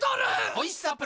おいしさプラス